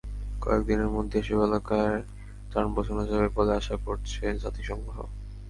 কয়েক দিনের মধ্যেই এসব এলাকায় ত্রাণ পৌঁছানো যাবে বলে আশা করছে জাতিসংঘ।